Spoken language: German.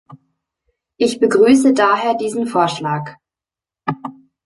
Ich begrüße daher diesen Vorschlag.